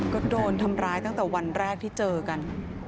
ก็โดนทำร้ายตั้งแต่วันแรกที่เจอกัน